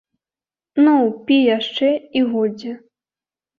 Ну, пі яшчэ, і годзе.